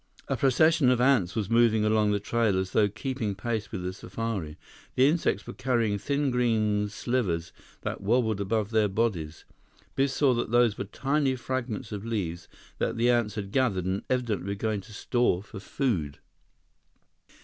A procession of ants was moving along the trail as though keeping pace with the safari. The insects were carrying thin green slivers that wobbled above their bodies. Biff saw that those were tiny fragments of leaves that the ants had gathered and evidently were going to store for food.